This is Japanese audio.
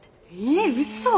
えっうそ！？